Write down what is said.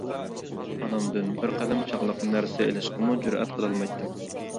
ئانامدىن بىر قەلەم چاغلىق نەرسە ئېلىشقىمۇ جۈرئەت قىلالمايتتىم.